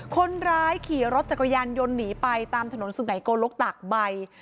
คนร้ายขี่รถจักรยานยนต์หนีไปตามถนนสุไงโกลกตากใบ